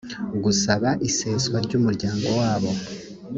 gusaba iseswa ry’umuryango wabo